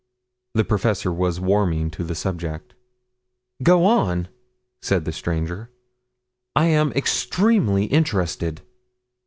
The professor was warming to the subject. "Go on," said the stranger, "I am extremely interested."